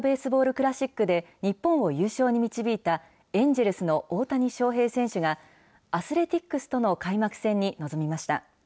クラシックで日本を優勝に導いた、エンジェルスの大谷翔平選手が、アスレティックスとの開幕戦に臨みました。